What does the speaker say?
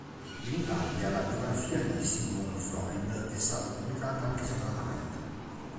In Italia la biografia di Sigmund Freud è stata pubblicata anche separatamente.